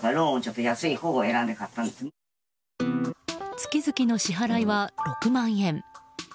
月々の支払いは６万円。